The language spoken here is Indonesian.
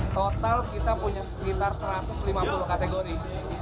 total kita punya sekitar satu ratus lima puluh kategori